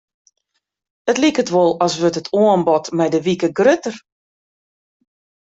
It liket wol as wurdt it oanbod mei de wike grutter.